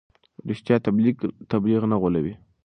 رښتیا تبلیغ نه غولوي.